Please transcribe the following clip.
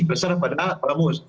besar pada pamus